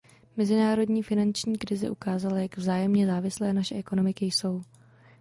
Mezinárodní finanční krize ukázala, jak vzájemně závislé naše ekonomiky jsou.